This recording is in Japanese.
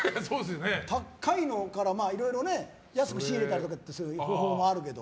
高いのからいろいろ安く仕入れたりっていう方法もあるけど。